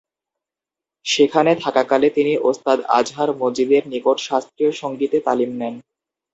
সেখানে থাকাকালে তিনি ওস্তাদ আজহার মজিদের নিকট শাস্ত্রীয় সঙ্গীতে তালিম নেন।